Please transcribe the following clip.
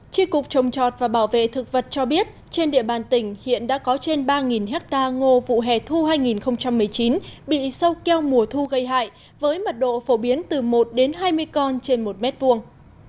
tri cục trồng chọt và bảo vệ thực vật cho biết trên địa bàn tỉnh hiện đã có trên ba hectare ngô vụ hè thu hai nghìn một mươi chín bị sâu keo mùa thu gây hại với mật độ phổ biến từ một đến hai mươi con trên một mét vuông